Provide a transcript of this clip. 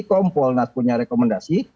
kompolnas punya rekomendasi